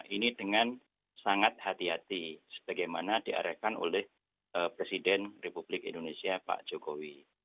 ini dengan sangat hati hati seperti mana diarahkan oleh presiden republik indonesia pak jokowi